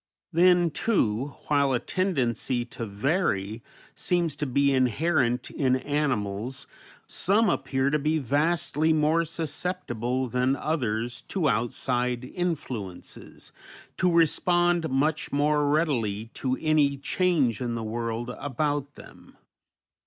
Then, too, while a tendency to vary seems to be inherent in animals, some appear to be vastly more susceptible than others to outside influences, to respond much more readily to any change in the world about them.